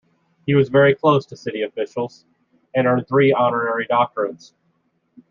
He was very close to city officials and earned three honorary doctorates.